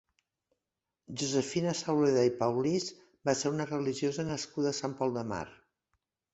Josefina Sauleda i Paulís va ser una religiosa nascuda a Sant Pol de Mar.